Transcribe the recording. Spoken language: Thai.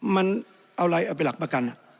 มันเอาอะไรเอาไปหลักประกัน